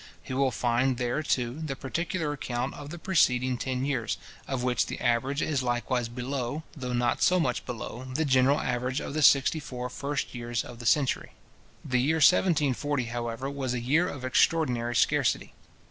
He will find there, too, the particular account of the preceding ten years, of which the average is likewise below, though not so much below, the general average of the sixty four first years of the century. The year 1740, however, was a year of extraordinary scarcity.